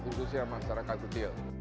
khususnya masyarakat kecil